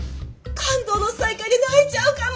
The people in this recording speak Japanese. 感動の再会で泣いちゃうかも！